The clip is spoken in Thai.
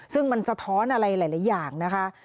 ซึ่งมันสะท้อนอะไรหลายอย่างนะคะ